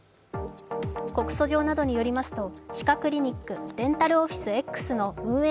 告訴状などによりますと歯科クリニックデンタルオフィスＸの運営